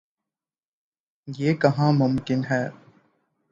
یہ کہنا ممکن ہے۔